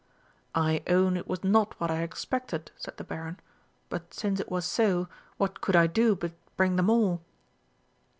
"I own it was not what I had expected," said the Baron; "but since it was so, what could I do but bring them all?"